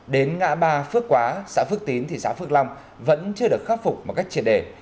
đến ngã ba phước quá xã phước tín thị xã phước long vẫn chưa được khắc phục một cách triệt đề